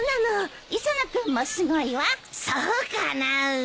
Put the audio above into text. そうかなあ。